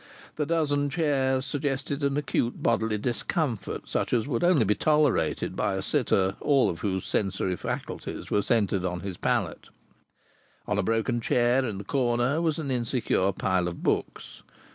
The dozen chairs suggested an acute bodily discomfort such as would only be tolerated by a sitter all of whose sensory faculties were centred in his palate. On a broken chair in a corner was an insecure pile of books.